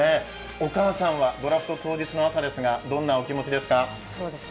お母さんはドラフト当日の朝ですが、どんなお気持ちですか？